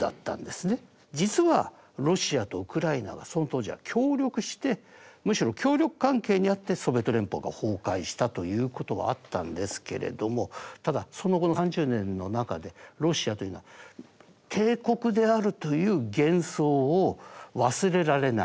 実はロシアとウクライナはその当時は協力してむしろ協力関係にあってソビエト連邦が崩壊したということはあったんですけれどもただその後の３０年の中でロシアというのは帝国であるという幻想を忘れられない